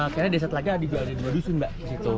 karena desa telaga ada dua dusun mbak